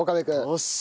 よし。